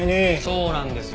そうなんですよ。